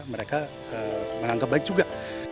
mereka menganggap baik juga